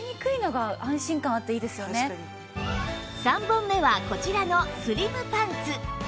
３本目はこちらのスリムパンツ